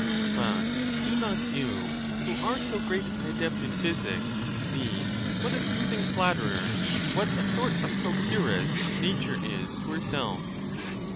But do not you, who are so great an adept in physics, see what a soothing flatterer, what a sort of procuress, nature is to herself?